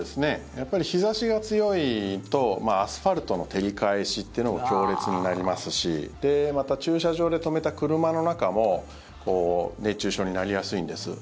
やっぱり日差しが強いとアスファルトの照り返しというのが強烈になりますしまた、駐車場で止めた車の中も熱中症になりやすいんです。